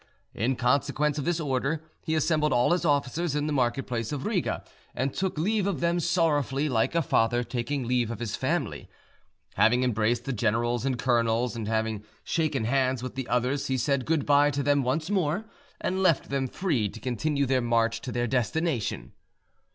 In consequence of this order, he assembled all his officers in the market place of Riga, and took leave of them sorrowfully, like a father taking leave of his family. Having embraced the generals and colonels, and having shaken hands with the others, he said good bye to them once more, and left them free to continue their march to their destination.